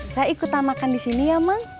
saya ikutan makan di sini ya mang